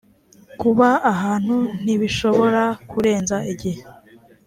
kuba ahantu ntibishobora kurenza igihe